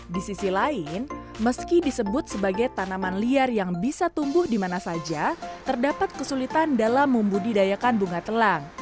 di sisi lain meski disebut sebagai tanaman liar yang bisa tumbuh di mana saja terdapat kesulitan dalam membudidayakan bunga telang